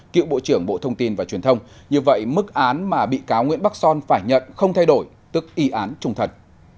cựu bộ trưởng bộ thông tin và truyền thông như vậy mức án mà bị cáo nguyễn bắc son phải nhận không thay đổi tức y án trung thần